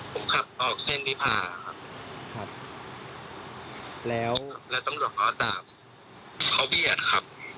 ผมขับออกเส้นวิพาครับแล้วตำรวจมอร์ดล้ามเขาเบียดครับ